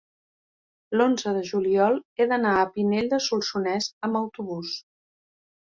l'onze de juliol he d'anar a Pinell de Solsonès amb autobús.